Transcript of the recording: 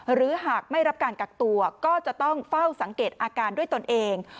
หากไม่รับการกักตัวก็จะต้องเฝ้าสังเกตอาการด้วยตนเอง